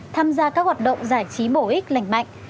tham gia các hoạt động giải trí bổ ích lành mạnh